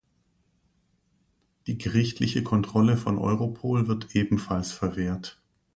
Die gerichtliche Kontrolle von Europol wird ebenfalls verwehrt.